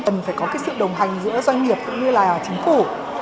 chúng ta phải có sự đồng hành giữa doanh nghiệp cũng như chính phủ